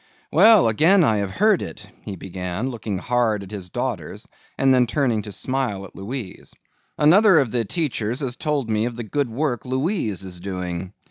"Well, again I have heard of it," he began, looking hard at his daughters and then turning to smile at Louise. "Another of the teachers has told me of the good work Louise is doing.